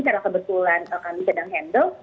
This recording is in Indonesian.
karena kebetulan kami sedang handle